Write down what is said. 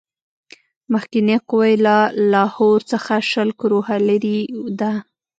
مخکنۍ قوه یې له لاهور څخه شل کروهه لیري ده.